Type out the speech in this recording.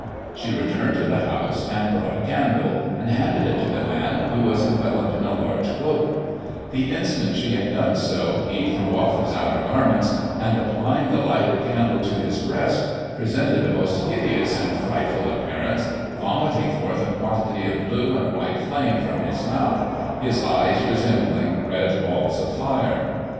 She returned to the house, and brought a candle, and handed it to the man, who was enveloped in a large cloak: The instant she had done so, he threw off his outer garments, and, applying the lighted\ candle to his breast, presented a most hideous and frightful ) appearance, vomiting forth a quantity of blue and white flame from his mouth, his eyes resembling red balls of fire.